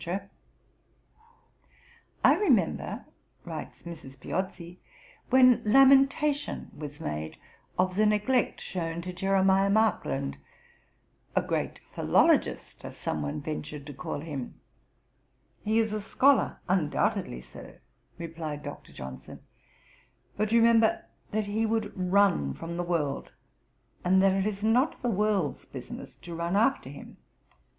Gent. Mag. 1778, P. 3l0. 'I remember,' writes Mrs. Piozzi (Anec. p. 252), 'when lamentation was made of the neglect shown to Jeremiah Markland, a great philologist, as some one ventured to call him: "He is a scholar undoubtedly, Sir," replied Dr. Johnson, "but remember that he would run from the world, and that it is not the world's business to run after him.